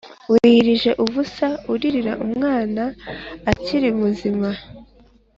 Wiyirije ubusa uririra umwana akiri muzima